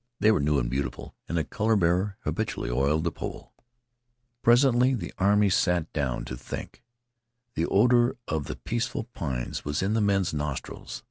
They were new and beautiful, and the color bearer habitually oiled the pole. Presently the army again sat down to think. The odor of the peaceful pines was in the men's nostrils.